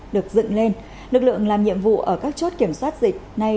được dựng lên lực lượng làm nhiệm vụ ở các chốt kiểm soát dịch